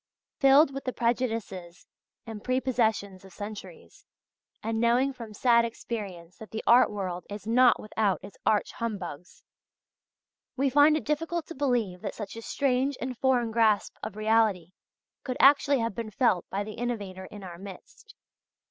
Filled with the prejudices and prepossessions of centuries, and knowing from sad experience that the art world is not without its arch humbugs, we find it difficult to believe that such a strange and foreign grasp of reality could actually have been felt by the innovator in our midst.